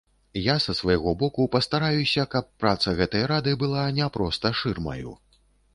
Я са свайго боку пастараюся, каб праца гэтай рады была не проста шырмаю.